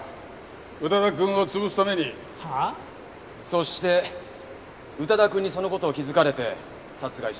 そして宇多田くんにその事を気づかれて殺害した。